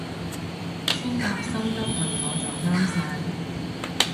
穿搭心得問我就啱晒